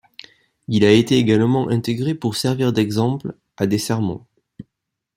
Il a été également intégré, pour servir d’exemple, à des sermons.